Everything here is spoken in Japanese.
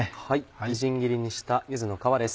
みじん切りにした柚子の皮です。